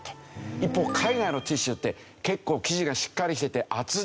一方海外のティッシュって結構生地がしっかりしてて厚手なんですよね。